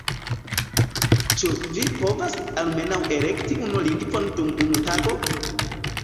— Ĉu vi povas almenaŭ elekti unu lingvon dum unu tago?!